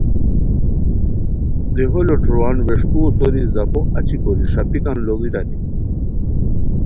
دیہو لوٹھوروان ویݰکوؤ سوری زاپو اچی کوری ݰاپیکان لوڑیتانی